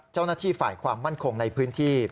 เจ้าหน้าที่ฝ่ายความมั่นคงในพื้นที่